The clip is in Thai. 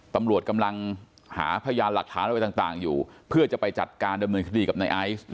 ตำรวจกำลังหาพยานหลักฐานอะไรต่างอยู่เพื่อจะไปจัดการดำเนินคดีกับนายไอซ์